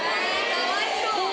かわいそう。